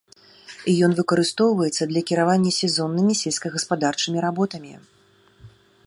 Ён выкарыстоўваецца для кіравання сезоннымі сельскагаспадарчымі работамі.